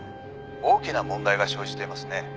「大きな問題が生じていますね」